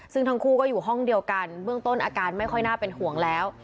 ซึ่งทั้งคู่ก็อยู่ห้องเดียวกันเบื้องต้นอาการไม่ค่อยน่าเป็นห่วงแล้ว